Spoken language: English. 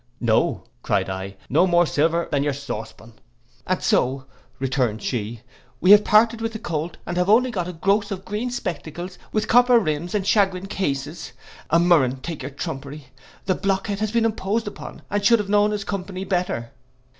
'No,' cried I, 'no more silver than your saucepan,'—'And so,' returned she, 'we have parted with the Colt, and have only got a groce of green spectacles, with copper rims and shagreen cases! A murrain take such trumpery. The blockhead has been imposed upon, and should have known his company better.